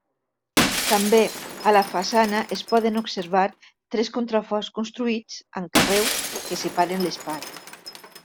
També, a la façana es poden observar tres contraforts construïts, amb carreus, que separen l'espai.